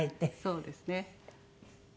そうですね。